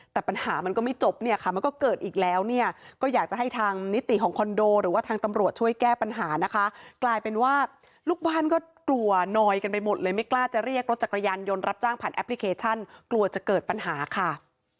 แต่ปัญหามันก็ไม่จบเนี่ยค่ะมันก็เกิดอีกแล้วเนี่ยก็อยากจะให้ทางนิติของคอนโดหรือว่าทางตำรวจช่วยแก้ปัญหานะคะกลายเป็นว่าลูกบ้านก็กลัวนอยกันไปหมดเลยไม่กล้าจะเรียกรถจักรยานยนต์รับจ้างผ่านแอปพลิเคชันกลัวจะเกิดปัญหาค่ะ